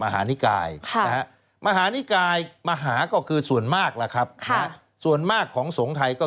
ฮ่าฮ่าฮ่าฮ่าฮ่าฮ่า